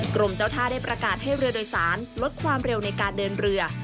กรมเจ้าท่าได้ประกาศให้เรือโดยสารลดความเร็วในการเดินเรือ